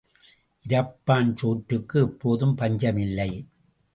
இரப்பான் சோற்றுக்கு எப்போதும் பஞ்சம் இல்லை.